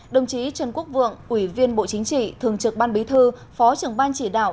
đồng chí trần quốc vượng ủy viên bộ chính trị thường trực ban bí thư phó trưởng ban chỉ đạo